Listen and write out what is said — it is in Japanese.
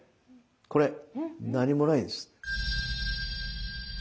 これ何もないんです。